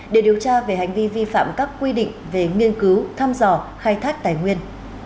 để điều tra về hành vi vi phạm các quy định về nghiên cứu thăm dò khai thác tài nguyên